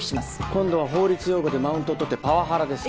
今度は法律用語でマウント取ってパワハラですか？